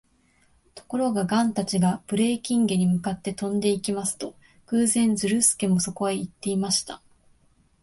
ところが、ガンたちがブレーキンゲに向かって飛んでいきますと、偶然、ズルスケもそこへいっていました。